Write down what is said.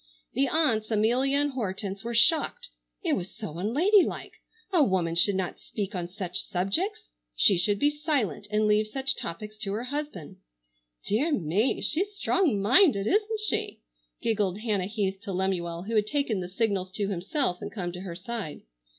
The aunts, Amelia and Hortense, were shocked. It was so unladylike. A woman should not speak on such subjects. She should be silent and leave such topics to her husband. "Deah me, she's strong minded, isn't she?" giggled Hannah Heath to Lemuel, who had taken the signals to himself and come to her side.